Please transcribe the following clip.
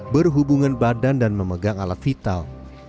berhubungan badan dan memegang alat vital